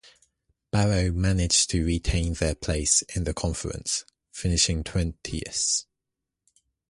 Barrow managed to retain their place in the Conference, finishing twentieth.